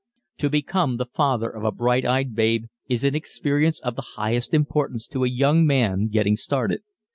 To become the father of a bright eyed babe is an experience of the highest importance to a young man getting started.